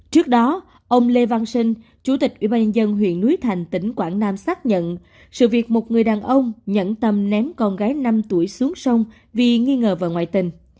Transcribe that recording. trước đó ông lê văn sinh chủ tịch ubnd huyện núi thành tỉnh quảng nam xác nhận sự việc một người đàn ông nhẫn tâm ném con gái năm tuổi xuống sông vì nghi ngờ vào ngoại tình